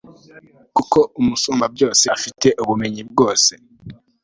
kuko umusumbabyose afite ubumenyi bwose